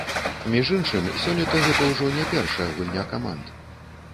Між іншым, сёлета гэта ўжо не першая гульня каманд.